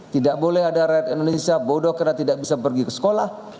tidak boleh ada rakyat indonesia bodoh karena tidak bisa pergi ke sekolah